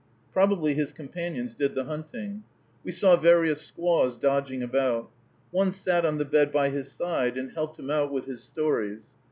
Probably his companions did the hunting. We saw various squaws dodging about. One sat on the bed by his side and helped him out with his stories.